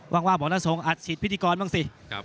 ว่างว่าบอกน้าทรงอาจหิดพิธีกรบ้างสิ